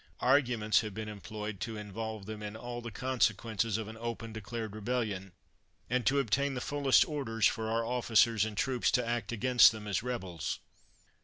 Arguments have been em ployed to involve them in all the consequences of an open, declared rebellion, and to obtain the fullest orders for our officers and troops to act against them as rebels.